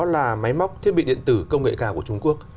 là máy móc thiết bị điện tử công nghệ cao của trung quốc